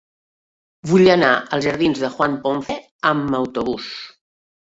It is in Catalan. Vull anar als jardins de Juan Ponce amb autobús.